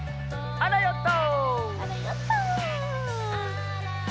あらヨット！